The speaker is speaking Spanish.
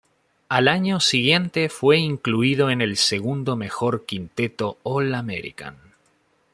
Al año siguiente fue incluido en el segundo mejor quinteto All-American.